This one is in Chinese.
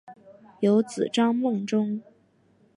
有子张孟中。